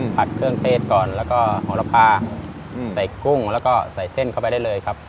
ผัดเครื่องเทศก่อนแล้วก็โหระพาใส่กุ้งแล้วก็ใส่เส้นเข้าไปได้เลยครับ